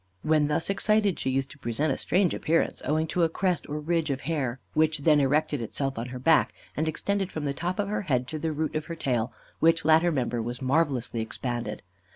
When thus excited she used to present a strange appearance, owing to a crest or ridge of hair which then erected itself on her back, and extended from the top of her head to the root of her tail, which latter member was marvellously expanded.